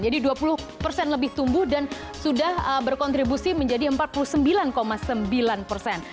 jadi dua puluh persen lebih tumbuh dan sudah berkontribusi menjadi empat puluh sembilan sembilan persen